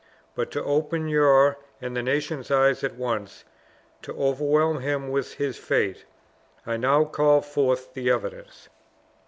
But to open your and the nation's eyes at once, to overwhelm him with his fate, I now call forth the evidence."